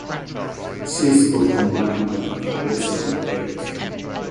She's got a mind like a razor blade.